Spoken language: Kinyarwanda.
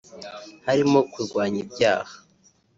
harimo kurwanya ibyaha